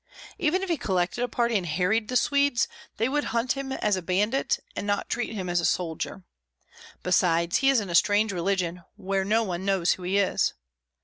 Even if he collected a party and harried the Swedes, they would hunt him as a bandit, and not treat him as a soldier. Besides, he is in a strange region, where no one knows who he is.